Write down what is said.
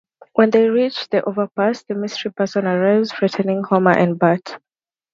When they reach the overpass, the mystery person arrives, frightening Homer and Bart.